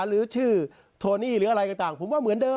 หรือชื่อโทนี่หรืออะไรต่างผมว่าเหมือนเดิม